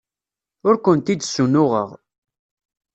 Ur kent-id-ssunuɣeɣ.